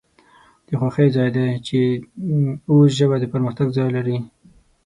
د خوښۍ ځای د چې اوس ژبه د پرمختګ ځای لري